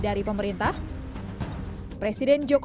apakah itu pre presiden verg